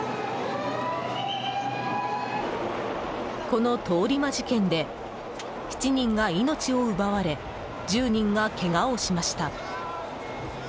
この通り魔事件で７人が命を奪われ１０人がけがをしました。